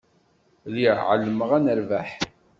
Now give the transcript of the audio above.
Lliɣ εelmeɣ ad nerbeḥ.